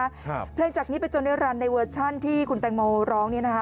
ครับไรจากนี้เป็นในเวอร์ชันที่คุณแต้งโมร้องเนี่ยนะคะ